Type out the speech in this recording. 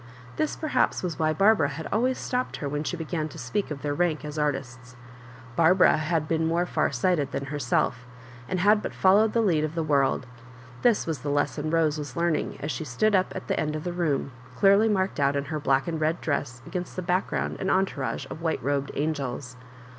This perhaps was why Barbara had always stopped her when she began to speak of their rank as artists. Barbara had been more far sighted than herself and had but followed the leiul of the world. This waa the lesson Rose was learning as she stood up at the end of the room, clearly marked out in her black and red dress against the background and entourage of white robed angels.